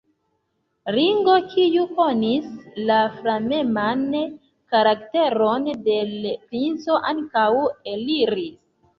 Ringo, kiu konis la flameman karakteron de l' princo, ankaŭ eliris.